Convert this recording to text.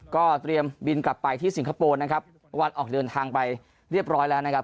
ก็เตรียมบินกลับไปที่สิงคโปร์นะครับวันออกเดินทางไปเรียบร้อยแล้วนะครับ